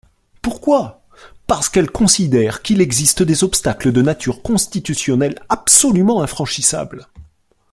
Pourquoi ? Parce qu’elles considèrent qu’il existe des obstacles de nature constitutionnelle absolument infranchissables.